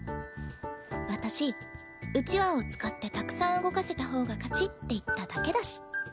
私うちわを使ってたくさん動かせた方が勝ちって言っただけだし。